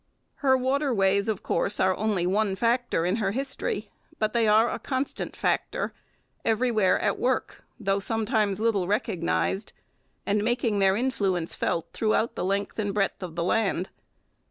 Her waterways, of course, are only one factor in her history. But they are a constant factor, everywhere at work, though sometimes little recognized, and making their influence felt throughout the length and breadth of the land.